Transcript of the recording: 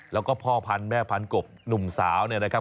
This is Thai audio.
แล้วก็พ่อพันธุ์แม่พันกบหนุ่มสาวเนี่ยนะครับ